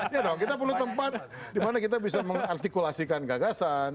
iya dong kita perlu tempat di mana kita bisa mengartikulasikan gagasan